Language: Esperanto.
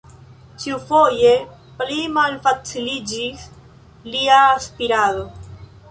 Ĉiufoje plimalfaciliĝis lia spirado.